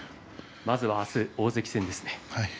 まずは明日は大関戦です。